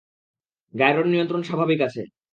গায়রোর নিয়ন্ত্রণ স্বাভাবিক আছে।